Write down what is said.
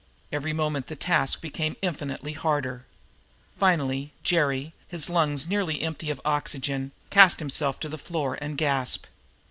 Every moment the task became infinitely harder. Finally Jerry, his lungs nearly empty of oxygen, cast himself down on the floor and gasped.